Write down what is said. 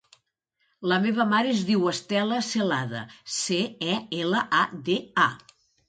La meva mare es diu Estela Celada: ce, e, ela, a, de, a.